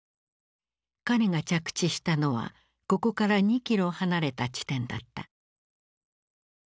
彼が着地したのはここから２キロ離れた地点だった。